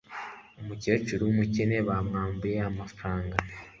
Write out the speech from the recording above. Umukecuru wumukene bamwambuye amafaranga